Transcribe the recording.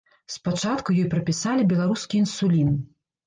Спачатку ёй прапісалі беларускі інсулін.